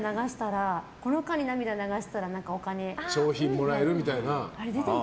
この間に涙流したら賞金もらえるみたいな。